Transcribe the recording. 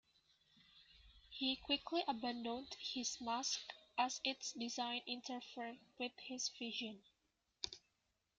He quickly abandoned his mask as its design interfered with his vision.